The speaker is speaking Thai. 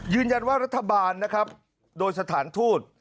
ยืนยันว่ารัฐบาลนะครับโดยสถานทูต